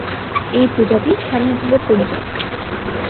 এই প্রজাতি স্থানীয়ভাবে পরিযায়ী।